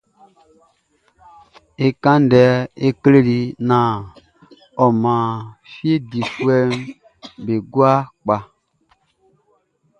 É kán ndɛ é klé i naan ɔ man fie difuɛʼm be kwlaa be gua kpa.